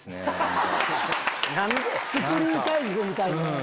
スクリーンサイズで見たいね。